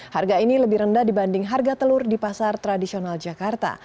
harga ini lebih rendah dibanding harga telur di pasar tradisional jakarta